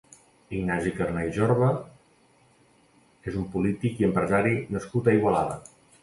Ignasi Carner i Jorba és un polític i empresari nascut a Igualada.